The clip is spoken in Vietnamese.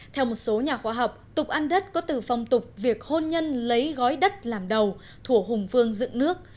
theo một số nhà khoa học tục ăn đất có từ phong tục việc hôn nhân lấy gói đất làm đầu thổ hùng vương dựng nước